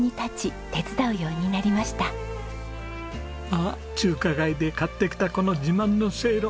あっ中華街で買ってきたこの自慢のセイロ。